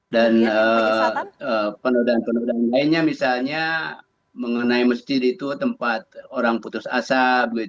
dan penodaan penodaan lainnya misalnya mengenai masjid itu tempat orang putus asap